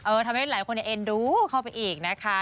ทำให้หลายคนเอ็นดูเข้าไปอีกนะคะ